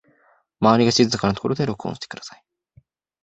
周りが静かなところで録音してください